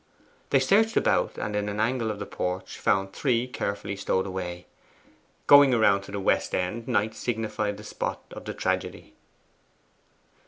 They searched about, and in an angle of the porch found three carefully stowed away. Going round to the west end Knight signified the spot of the tragedy.